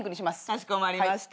かしこまりました。